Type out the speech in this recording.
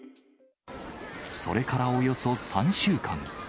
それからおよそ３週間。